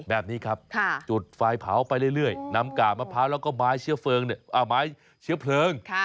แบบนี้ครับจุดไฟเผาไปเรื่อยนำกาบมะพร้าวแล้วก็ไม้เชื้อเพลิง